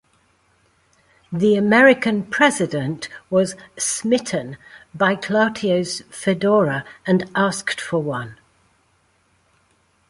The American President was "smitten" by Clouthier's fedora and asked for one.